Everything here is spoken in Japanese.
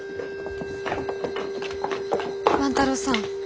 万太郎さん。